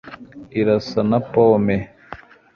irasa na pome